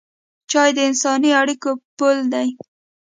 چای د انساني اړیکو پل دی.